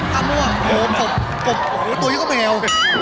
ข้าวม่วงกบตัวนี้ก็แมว